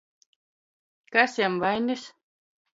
Kas jam vainis?